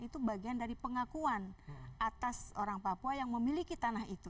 itu bagian dari pengakuan atas orang papua yang memiliki tanah itu